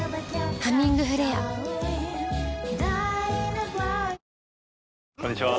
「ハミングフレア」こんにちは。